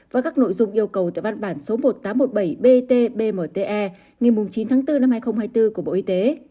và các nội dung yêu cầu tại văn bản số một nghìn tám trăm một mươi bảy bt bmte ngày chín tháng bốn năm hai nghìn hai mươi bốn của bộ y tế